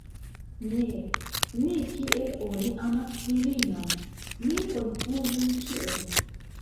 Ne, ne kiel oni amas virinon, ne konfuzu ĉion.